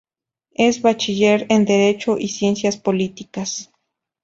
Es Bachiller en Derecho y Ciencias Políticas.